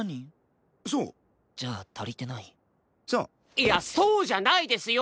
いや「そう」じゃないですよ！